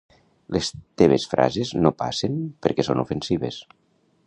Les teves frases no passen perquè són ofensives.